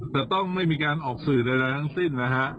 แต่ต้องไม่มีการออกสื่อใดทั้งสิ้นนะฮะ